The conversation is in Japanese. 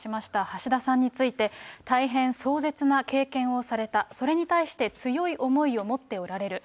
橋田さんについて、大変壮絶な経験をされた、それに対して強い思いを持っておられる。